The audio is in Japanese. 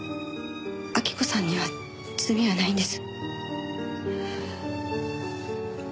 晃子さんには罪はないんです。